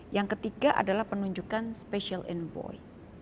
yang ketiga adalah penunjukan special envoy